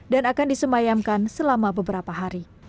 dan akan disemayamkan selama beberapa hari